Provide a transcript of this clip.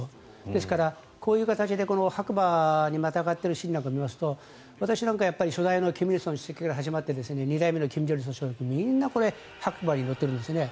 ですから、こういう形で白馬にまたがってるシーンなんか見ますと私なんか初代の金日成国家主席から始まって２代目の金正日総書記みんな白馬に乗っているんですね。